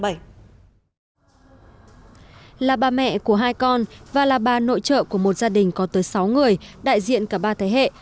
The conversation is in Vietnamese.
là bà mẹ của hai con và là bà nội trợ của một gia đình có tới sáu người đại diện cả ba thế hệ